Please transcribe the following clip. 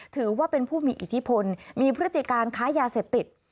ถือว่าเป็นผู้มีอิทธิพลมีพฤติการค้ายาเสพติด